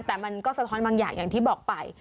แต่มันก็สะท้อนบางอย่างอย่างที่บอกไป